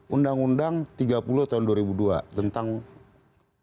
undang undang tiga puluh tahun dua ribu dua tentang pemerintah